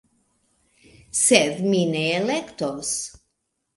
Sed mi ne elektos